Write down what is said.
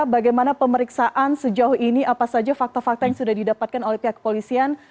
bagaimana pemeriksaan sejauh ini apa saja fakta fakta yang sudah didapatkan oleh pihak kepolisian